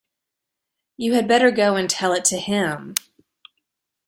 You had better go and tell it to him.